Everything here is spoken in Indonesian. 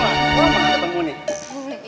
orang mau ke temun nih